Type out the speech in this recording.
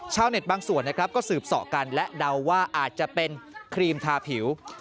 บางส่วนนะครับก็สืบสอกันและเดาว่าอาจจะเป็นครีมทาผิว